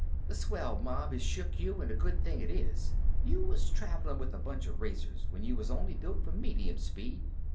Th' swell mob has shook you, an' a good thing it is. You was travelin' with a bunch of racers, when you was only built for medium speed.